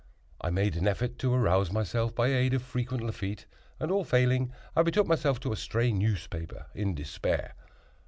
I made effort to arouse myself by aid of frequent Lafitte, and, all failing, I betook myself to a stray newspaper in despair.